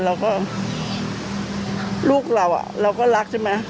แล้วก็ลูกเราเราก็รักใช่ไหม